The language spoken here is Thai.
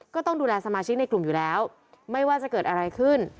ก็ต้องดูแลสมาชิกในกลุ่มอยู่แล้วไม่ว่าจะเกิดอะไรขึ้น